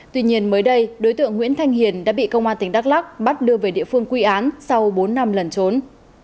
tuy nhiên mới đây đối tượng nguyễn thanh hiền đã bị công an tỉnh đắk lắc bắt đưa về địa phương quy án sau bốn năm lần trốn